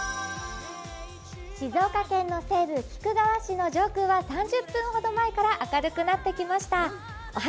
静岡県の西部、菊川市の上空は３０分ほど前から明るくなってきました。